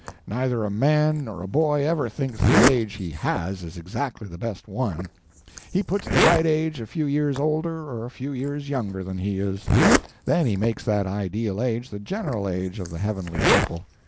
Neither a man nor a boy ever thinks the age he has is exactly the best one—he puts the right age a few years older or a few years younger than he is. Then he makes that ideal age the general age of the heavenly people.